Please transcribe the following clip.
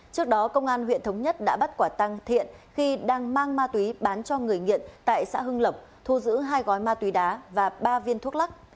trước đó công an huyện thống nhất đã bắt quả tăng thiện khi đang mang ma túy bán cho người nghiện tại xã hưng lộc thu giữ hai gói ma túy đá và ba viên thuốc lắc